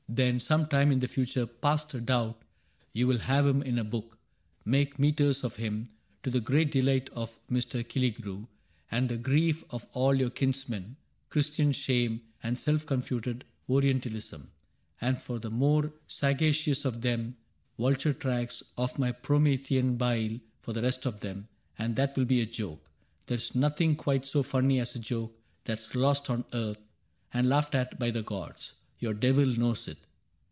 Then some time in the future, past a doubt. You will have him in a book, make metres of him, — To the great delight of Mr. Killigrew, And the grief of all your kinsmen. Christian shame And self confuted Orientalism For the more sagacious of them ; vulture tracks Of my Promethean bile for the rest of them ; And that will be a joke. There 's nothing quite So funny as a joke that 's lost on earth And laughed at by the gods. Your devil knows it.